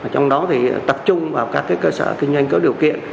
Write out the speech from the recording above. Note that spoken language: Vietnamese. trong đó tập trung vào các cơ sở kinh doanh có điều kiện